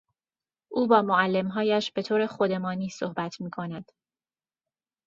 او با معلمهایش به طور خودمانی صحبت میکند.